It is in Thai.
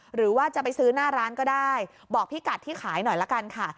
หรือว่าจะไปซื้อหน้าร้านก็ได้บอกพี่กัดที่ขายหน่อยละกันค่ะ